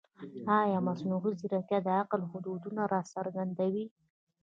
ایا مصنوعي ځیرکتیا د عقل حدود نه راڅرګندوي؟